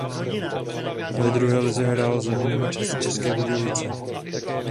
Ve druhé lize hrál za Dynamo České Budějovice.